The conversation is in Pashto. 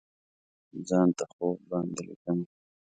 ځان ته خوب باندې لیکمه